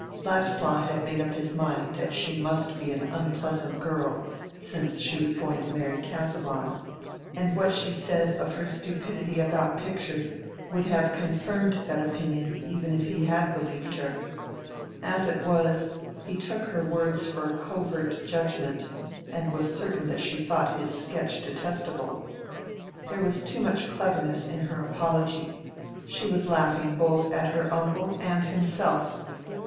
Ladislaw had made up his mind that she must be an unpleasant girl, since she was going to marry Casaubon, and what she said of her stupidity about pictures would have confirmed that opinion even if he had believed her. As it was, he took her words for a covert judgment, and was certain that she thought his sketch detestable. There was too much cleverness in her apology: she was laughing both at her uncle and himself.